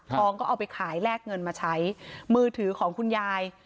ก็เอาไปขายแลกเงินมาใช้มือถือของคุณยาย